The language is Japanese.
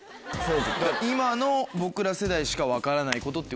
今の僕ら世代しか分からないことってことですよね。